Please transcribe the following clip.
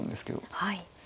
はい。